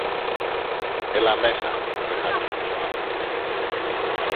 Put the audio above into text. Έλα μέσα, είπε χαρούμενος ο άνθρωπος.